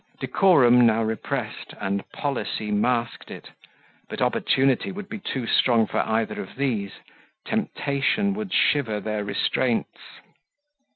Decorum now repressed, and Policy masked it, but Opportunity would be too strong for either of these Temptation would shiver their restraints.